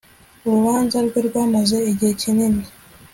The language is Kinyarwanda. urubanza rwe rwamaze igihe kini